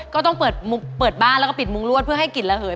ก็ต้องเปิดบ้านแล้วก็ปิดมุ้งรวดเพื่อให้กลิ่นระเหย